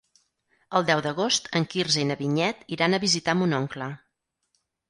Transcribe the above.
El deu d'agost en Quirze i na Vinyet iran a visitar mon oncle.